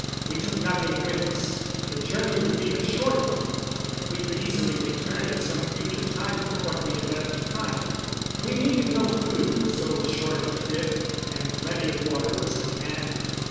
We took nothing with us. The journey would be a short one, and we could easily return at some future time for what we had left behind. We needed no food for so short a trip, and plenty of water was at hand.